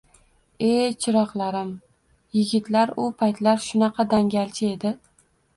Eh, chiroqlarim, yigitlar u paytlar shunaqa dangalchi edi!